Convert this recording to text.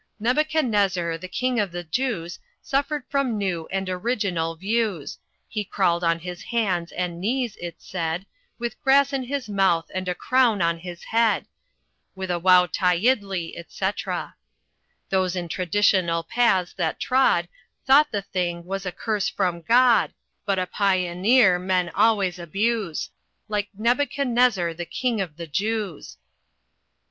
"Nebuchadnezzar, the King of the Jews, Suffered from new and original views, He crawled on his hands and knees it's said, With grass in his mouth and a crown on his head. With a wowtyiddly, etc. 'Those in traditional paths that trod. Thought the thing was a curse from God; But a Pioneer men always abuse, Like Nebuchadnezzar the King of the Jews."